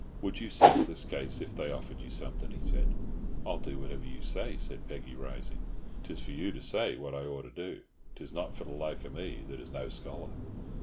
"Would you settle this case if they offered you something?" he said. "I'll do whatever you say," said Peggy, rising. "'Tis for you to say what I ought to do. 'Tis not for the like of me, that is no scholar."